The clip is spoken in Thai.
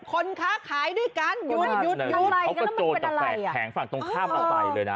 คนค้าขายด้วยกันหยุดหยุดหยุดเขากระโจดต่อแผงฝั่งตรงข้ามไปเลยน่ะ